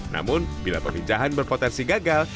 namun bila peminjahan berpotensi gagal